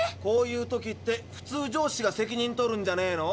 こういう時って普通上司が責任とるんだろ。